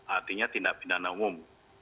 artinya tindak pidana umum